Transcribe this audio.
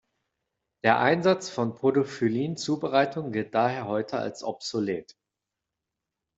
Der Einsatz von Podophyllin-Zubereitungen gilt daher heute als obsolet.